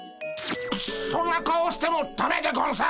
そんな顔をしてもだめでゴンス。